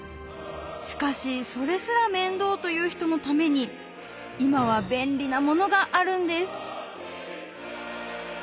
しかしそれすら面倒という人のために今は便利なものがあるんです